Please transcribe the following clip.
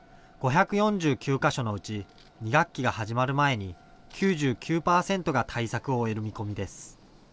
５４９か所のうち２学期が始まる前に９９％が対策を終える見込みです。